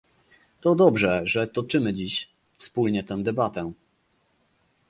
To dobrze, że toczymy dziś wspólnie tę debatę